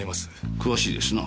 詳しいですな。